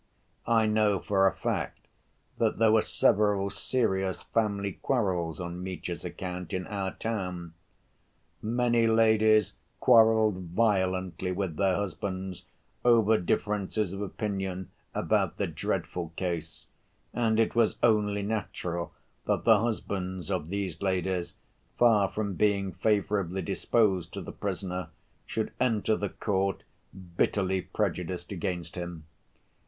I know for a fact that there were several serious family quarrels on Mitya's account in our town. Many ladies quarreled violently with their husbands over differences of opinion about the dreadful case, and it was only natural that the husbands of these ladies, far from being favorably disposed to the prisoner, should enter the court bitterly prejudiced against him.